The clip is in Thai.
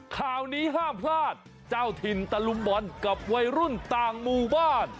ข่าวนี้ห้ามพลาดเจ้าถิ่นตะลุมบอลกับวัยรุ่นต่างหมู่บ้าน